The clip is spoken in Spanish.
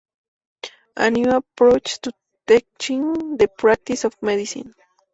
A new approach to teaching the practice of medicine".